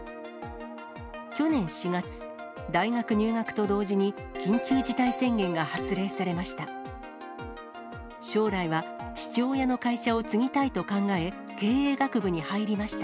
去年４月、大学入学と同時に緊急事態宣言が発令されました。